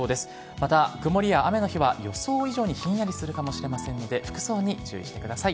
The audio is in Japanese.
また曇りや雨の日は予想以上にひんやりするかもしれませんので、服装に注意してください。